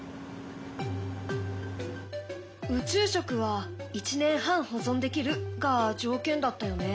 宇宙食は１年半保存できるが条件だったよね。